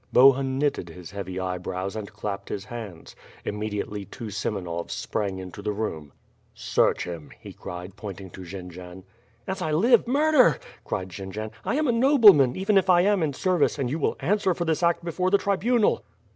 Bohun knitted his heavy eyebrows and clapped his hands. Immediately two Semenovs sprang into the room. "Search him," he cried, pointing fo Jendzian. 214 WITH FIRE AND SWORD, "As I live! Murder!" cried Jendzian. "I am a nobleman, even if I am in service, and you will answer for this act before the tribunal."